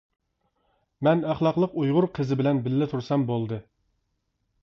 مەن ئەخلاقلىق ئۇيغۇر قىزى بىلەن بىللە تۇرسام بولدى.